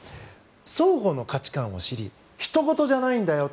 双方の価値観を知りひと事じゃないんだよ